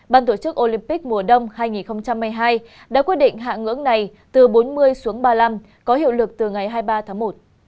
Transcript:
bpic mùa đông hai nghìn hai mươi hai đã quyết định hạ ngưỡng này từ bốn mươi xuống ba mươi năm có hiệu lực từ ngày hai mươi ba tháng một